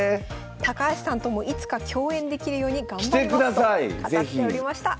高橋さんともいつか共演できるように頑張りますと語っておりました。